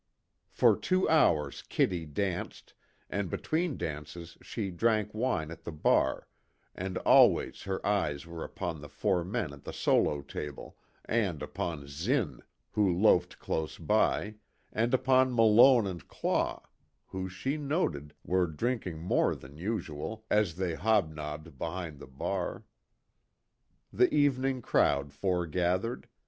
For two hours Kitty danced, and between dances she drank wine at the bar, and always her eyes were upon the four men at the solo table, and upon Zinn, who loafed close by, and upon Malone and Claw, who she noted, were drinking more than usual, as they hob nobbed behind the bar. The evening crowd foregathered.